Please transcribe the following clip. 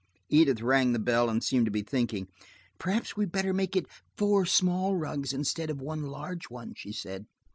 Edith rang the bell and seemed to be thinking. "Perhaps we'd better make it four small rugs instead of one large one," she said.